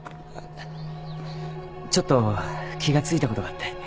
ちょっと気が付いたことがあって。